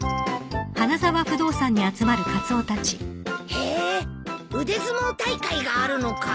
へえ腕相撲大会があるのか。